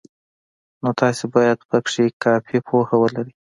نو تاسې باید پکې کافي پوهه ولرئ.